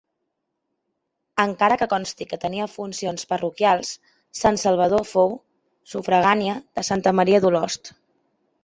Encara que consti que tenia funcions parroquials, Sant Salvador fou sufragània de Santa Maria d'Olost.